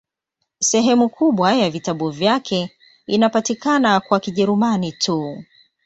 Sehemu kubwa ya vitabu vyake inapatikana kwa Kijerumani tu.